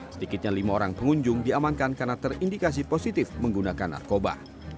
sedikitnya lima orang pengunjung diamankan karena terindikasi positif menggunakan narkoba